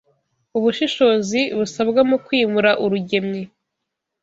Ubushishozi busabwa mu kwimura urugemwe